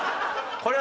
これは。